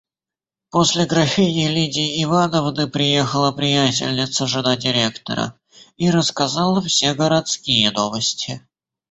После графини Лидии Ивановны приехала приятельница, жена директора, и рассказала все городские новости.